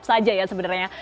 saja ya sebenarnya